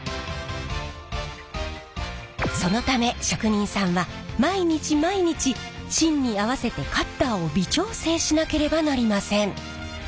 そのため職人さんは毎日毎日芯に合わせてカッターを微調整しなければなりません。